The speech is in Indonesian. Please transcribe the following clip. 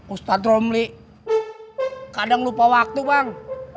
ustadz romli kadang lupa waktu bang